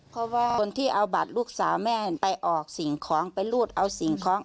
เพราะว่าคนที่เอาบัตรลูกสาวแม่ไปออกสิ่งของไปรูดเอาสิ่งของ